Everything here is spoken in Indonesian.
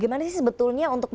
apa yang berkelanjutan